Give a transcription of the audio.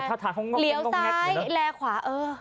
เหลียวซ้ายแลขวา